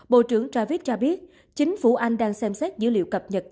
bộ trưởng ravick cho biết chính phủ anh đang xem xét dữ liệu cập nhật